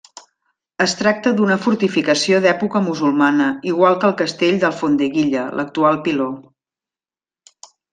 Es tracta d'una fortificació d'època musulmana, igual que el castell d'Alfondeguilla, l'actual Piló.